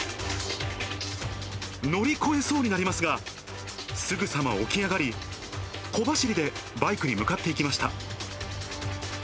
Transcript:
乗り越えそうになりますが、すぐさま起き上がり、小走りでバイクに向かっていきました。